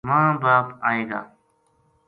ماں باپ آئے گا